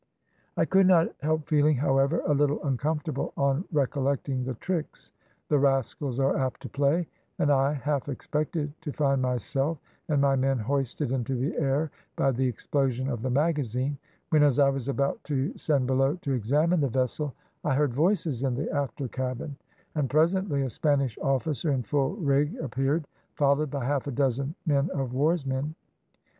"I could not help feeling, however, a little uncomfortable on recollecting the tricks the rascals are apt to play, and I half expected to find myself and my men hoisted into the air by the explosion of the magazine, when, as I was about to send below to examine the vessel, I heard voices in the after cabin, and presently a Spanish officer in full rig appeared, followed by half a dozen men of war's men.